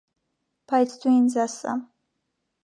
Բայց դու ինձ ասա.